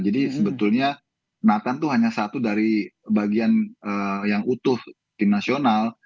jadi sebetulnya nathan itu hanya satu dari bagian yang utuh tim nasional